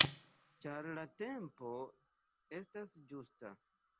Ĉar la tempo estas ĝusta!